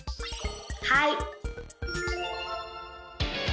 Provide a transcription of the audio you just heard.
はい！